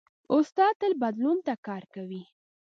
استاد تل بدلون ته کار کوي.